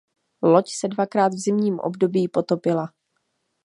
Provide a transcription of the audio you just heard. Loď se dvakrát v zimním období potopila.